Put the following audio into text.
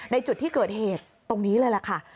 ในจุดที่เกิดเหตุตรงนี้เลยแหละค่ะ